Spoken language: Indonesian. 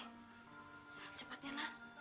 nih cepat ya nak